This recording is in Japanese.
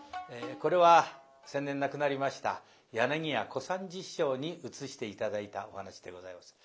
これは先年亡くなりました柳家小三治師匠にうつして頂いたお噺でございます。